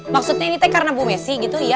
maksudnya ini teh karena bu messi gitu ya